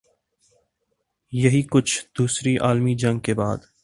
یہی کچھ دوسری عالمی جنگ کے بعد